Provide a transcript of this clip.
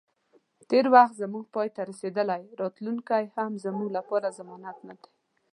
تیر وخت زمونږ پای ته رسیدلی، راتلونی هم زموږ لپاره ضمانت نه دی